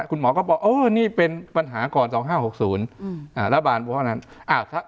คุณหมอก็บอกนี่เป็นปัญหาก่อน๒๕๖๐ระบานเพราะฉะนั้น